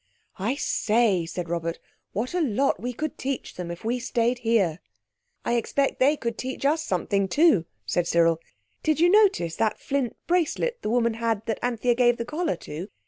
"I say," said Robert, "what a lot we could teach them if we stayed here!" "I expect they could teach us something too," said Cyril. "Did you notice that flint bracelet the woman had that Anthea gave the collar to?